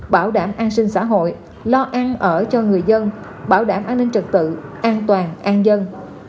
bảo đảm an sinh xã hội lo an ở cho người dân bảo đảm an ninh trật tự an toàn an dân